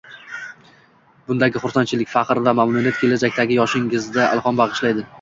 Bundagi xursandchilik, fahr va mamnuniyat kelajakdagi yozishingizda ilhom bag’ishlaydi